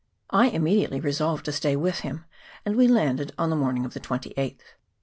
I immediately resolved to stay with him, and we landed on the morning of the 28th.